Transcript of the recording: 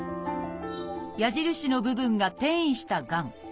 矢印の部分が転移したがん。